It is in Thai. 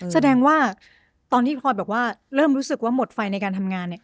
แสดงว่าตอนที่พลอยบอกว่าเริ่มรู้สึกว่าหมดไฟในการทำงานเนี่ย